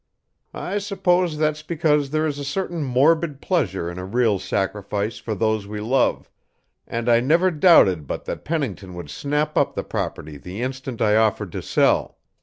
I suppose that's because there is a certain morbid pleasure in a real sacrifice for those we love. And I never doubted but that Pennington would snap up the property the instant I offered to sell.